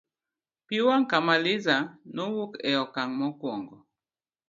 pi wang' Kamaliza nowuok e okang' mokuongo